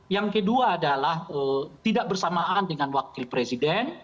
yang kedua adalah tidak bersamaan dengan wakil presiden